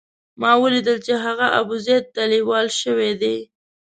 ما ولیدل چې هغه ابوزید ته لېوال شوی دی.